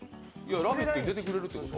「ラヴィット！」に出てくれるってこと？